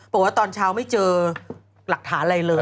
บอกว่าตอนเช้าไม่เจอหลักฐานอะไรเลย